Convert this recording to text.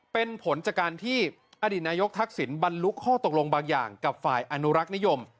เป็นผลจากการที่อดีตนายกทักษิณบรรลุข้อตกลงบางอย่างกับฝ่ายอนุรักษ์นิยม